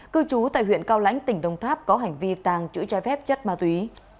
cư trú tại huyện cao lãnh tỉnh đồng tháp có hành vi tàng trữ trái phép chất ma túy